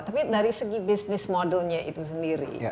tapi dari segi bisnis modelnya itu sendiri